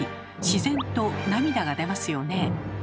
自然と涙が出ますよね。